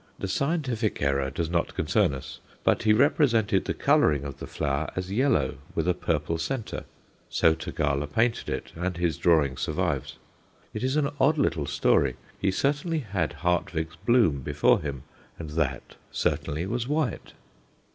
The scientific error does not concern us, but he represented the colouring of the flower as yellow with a purple centre. So Tagala painted it, and his drawing survives. It is an odd little story. He certainly had Hartweg's bloom before him, and that certainly was white.